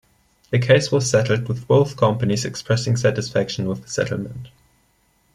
The case was settled, with both companies expressing satisfaction with the settlement.